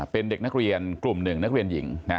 เป็นเด็กนักเรียนกลุ่มหนึ่งนักเรียนหญิง